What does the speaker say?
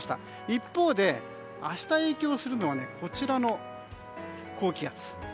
一方で、明日影響するのはこちらの高気圧。